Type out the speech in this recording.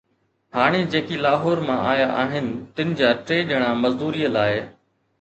هاڻي جيڪي لاهور مان آيا آهن، تن جا ٽي ڄڻا مزدوريءَ لاءِ